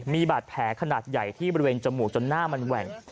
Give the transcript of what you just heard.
มีบาดแผลขนาดใหญ่ที่บริเวณจมูกจนหน้ามันแหว่ง